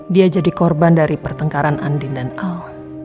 dia jadi korban dari pertengkaran andin dan al